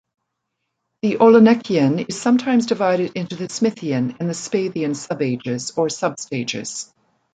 The Olenekian is sometimes divided into the Smithian and the Spathian subages or substages.